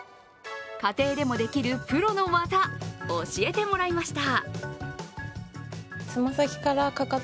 家庭でもできるプロの技、教えてもらいました。